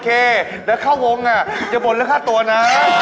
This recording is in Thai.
เดี๋ยวเข้าวงน่ะหยมป่นละค่าตัวน่ะ